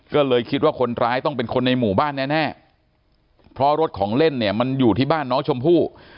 ก็เลยคิดว่าคนร้ายต้องเป็นคนในหมู่บ้านแน่เพราะรถของเล่นเนี่ยมันอยู่ที่บ้านน้องชมพู่